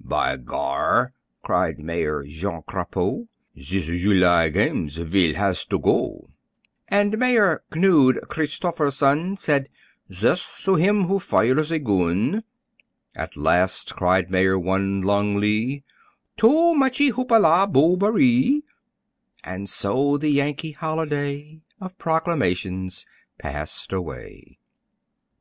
"By gar!" cried Mayor Jean Crapaud, "Zis July games vill has to go!" And Mayor Knud Christofferrssonn Said, "Djeath to hjjim who fjjres a gjjunn!" At last, cried Mayor Wun Lung Lee "Too muchee hoop la boberee!" And so the Yankee holiday, Of proclamations passed away.